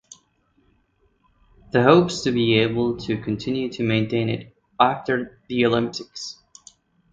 The hopes to be able to continue to maintain it after the Olympics.